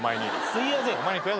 すいやせん。